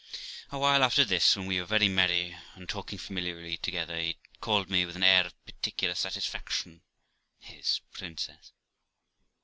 A while after this, when we were very merry and talking familiarly together, he called me, with an air of particular satisfaction, his princess.